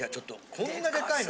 こんなでかいの？